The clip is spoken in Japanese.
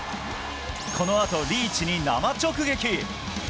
このあと、リーチに生直撃。